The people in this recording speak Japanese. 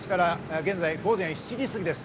現在、午前７時過ぎです。